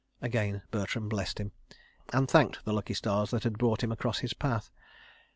... Again Bertram blessed him, and thanked the lucky stars that had brought him across his path.